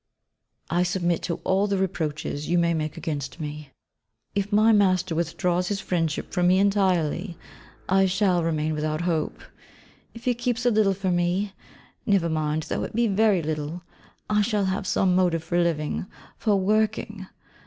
I submit to all the reproaches you may make against me; if my master withdraws his friendship from me entirely, I shall remain without hope; if he keeps a little for me (never mind though it be very little) I shall have some motive for living, for working.